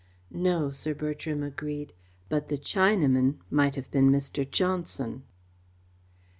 "No," Sir Bertram agreed, "but the Chinaman might have been Mr. Johnson."